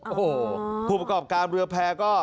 โอ้โหผู้ประกอบการเรือแพร่ก็